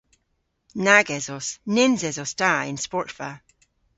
Nag esos. Nyns esos ta y'n sportva.